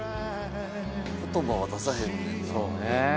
言葉は出さへんねん。